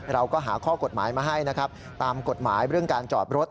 เราก็หาข้อกฎหมายมาให้นะครับตามกฎหมายเรื่องการจอดรถ